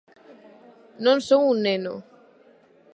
Non son un neno.